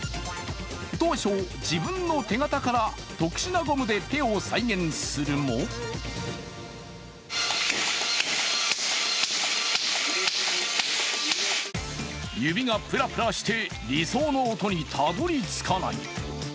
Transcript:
当初、自分の手形から特殊なゴムで手を再現するも指がぷらぷらして理想の音にたどり着かない。